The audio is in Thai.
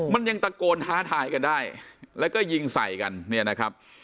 มันยังตะโกนท้าทายกันได้แล้วก็ยิงใส่กันเนี่ยนะครับ